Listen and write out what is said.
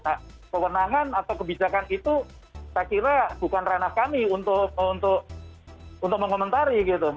nah kewenangan atau kebijakan itu saya kira bukan ranah kami untuk mengomentari gitu